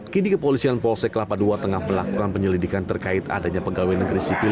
kini kepolisian polsek kelapa ii tengah melakukan penyelidikan terkait adanya pegawai negeri sipil